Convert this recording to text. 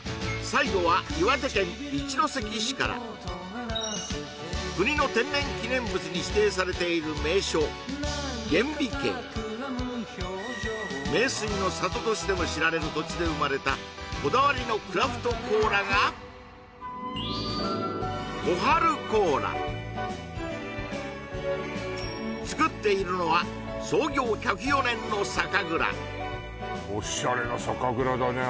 最後は岩手県一関市から国の天然記念物に指定されている名所厳美渓名水の里としても知られる土地で生まれたこだわりのクラフトコーラが作っているのは創業１０４年の酒蔵オシャレな酒蔵だね